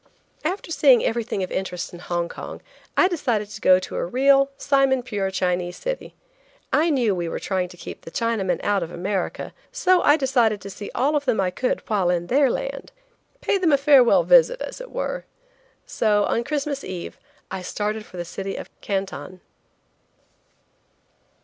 After seeing everything of interest in Hong Kong I decided to go to a real Simon pure Chinese city. I knew we were trying to keep the Chinamen out of America, so I decided to see all of them I could while in their land. Pay them a farewell visit, as it were! So, on Christmas eve, I started for the city of Canton.